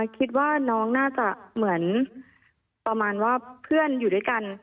คิดว่าน้องน่าจะเหมือนประมาณว่าเพื่อนอยู่ด้วยกัน